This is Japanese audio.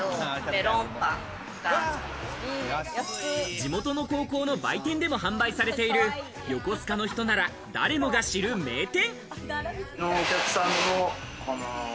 地元の高校の売店でも販売されている横須賀の人なら誰もが知る名店。